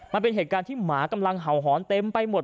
มันเป็นเหตุการณ์ที่หมากำลังเห่าหอนเต็มไปหมด